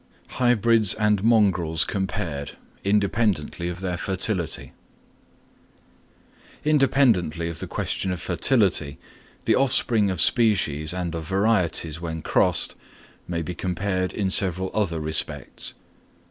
Hybrids and Mongrels compared, independently of their fertility. Independently of the question of fertility, the offspring of species and of varieties when crossed may be compared in several other respects.